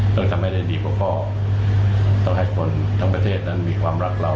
เพื่อทำให้ได้ดีกว่าพ่อต้องให้คนทั้งประเทศนั้นมีความรักเรา